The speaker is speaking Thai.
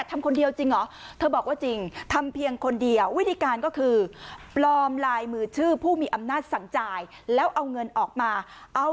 ทำคนเดียวจริงเหรอเธอบอกว่าจริงทำเพียงคนเดียววิธีการก็คือปลอมลายมือชื่อผู้มีอำนาจสั่งจ่ายแล้วเอาเงินออกมาเอา